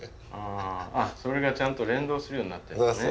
あっそれがちゃんと連動するようになってるんですね。